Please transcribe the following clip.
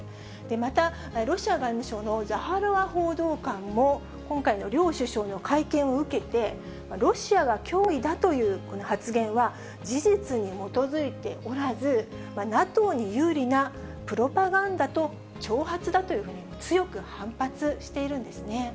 また、ロシア外務省のザハロワ報道官も、今回の両首相の会見を受けて、ロシアが脅威だという発言は、事実に基づいておらず、ＮＡＴＯに有利なプロパガンダと挑発だというふうに、強く反発しているんですね。